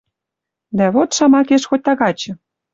Дӓ вот, шамакеш, хоть тагачы.